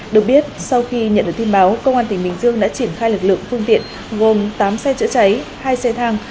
được biết sau khi nhận được tin báo công an tỉnh bình dương đã triển khai lực lượng phương tiện gồm tám xe chữa cháy hai xe thang